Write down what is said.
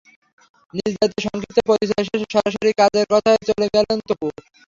নিজ দায়িত্বে সংক্ষিপ্ত পরিচয় শেষে সরাসরি কাজের কথায় চলে গেল তপু।